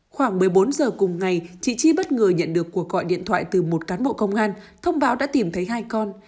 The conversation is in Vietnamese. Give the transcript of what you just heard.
khoảng một mươi bốn giờ cùng ngày chị chi bất ngờ nhận được cuộc gọi điện thoại từ một cán bộ công an thông báo đã tìm thấy hai con